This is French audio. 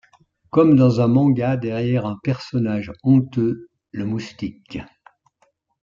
Comme dans un manga derrière un personnage honteux le moustique.